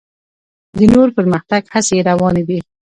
د نور پرمختګ هڅې یې روانې دي.